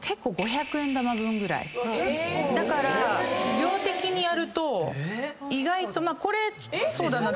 だから量的にやると意外とこれそうだな。